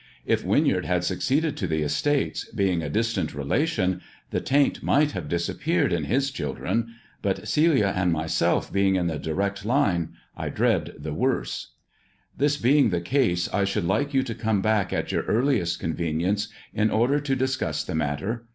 If Winyard had succeeded to the estates, being a distant relation, the taint might have disappeared in his children ; but Celia and myself being in the direct line, I dread the worst. " This being the case, I should like you to come back at your earliest convenience, in order to discuss the matter.